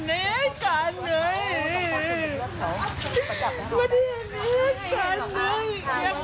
ถ้าได้ครับต้องไปดูได้หรืองาดต่ออินทรายบด่วง